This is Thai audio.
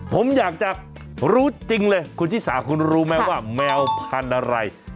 ผมอยากจะรู้จริงเลยคุณชิสาคุณรู้ไหมว่าแมวพันธุ์อะไร